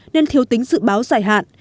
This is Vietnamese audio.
nên thiếu tính dự báo dài hạn